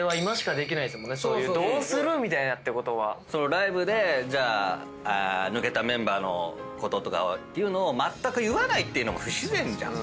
ライブでじゃあ抜けたメンバーのこととかをまったく言わないっていうのも不自然じゃん。